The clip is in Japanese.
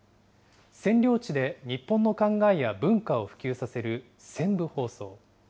占領地で日本の考えや文化を普及させる、宣ぶ放送。